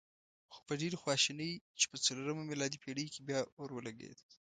خو په ډېرې خواشینۍ چې په څلورمه میلادي پېړۍ کې بیا اور ولګېد.